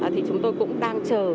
thì chúng tôi cũng đang chờ